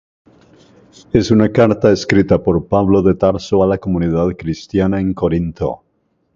Es una carta escrita por Pablo de Tarso a la comunidad cristiana en Corinto.